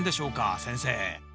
先生